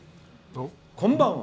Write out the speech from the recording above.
「こんばんは。